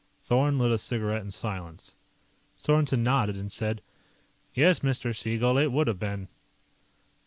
Thorn lit a cigarette in silence. Sorensen nodded and said, "Yes, Mr. Siegel, it would've been."